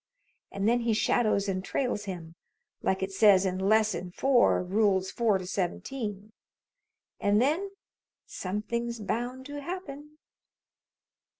And then he shadows and trails him, like it says in Lesson Four, Rules Four to Seventeen. And then somethin's bound to happen."